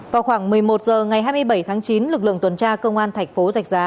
vào khoảng một mươi một h ngày hai mươi bảy tháng chín lực lượng tuần tra công an thành phố rạch giá